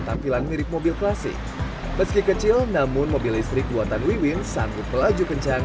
tampilan mirip mobil klasik meski kecil namun mobil listrik buatan wiwin sanggup melaju kencang